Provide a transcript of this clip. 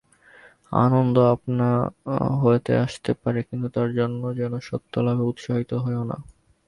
আনন্দ আপনা হতে আসতে পারে, কিন্তু তার জন্যই যেন সত্যলাভে উৎসাহিত হয়ো না।